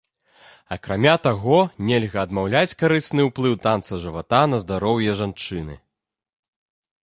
Акрамя таго, нельга адмаўляць карысны ўплыў танца жывата на здароўе жанчыны.